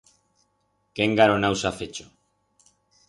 Qué engaronau s'ha fecho.